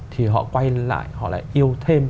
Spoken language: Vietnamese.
thì họ quay lại họ lại yêu thêm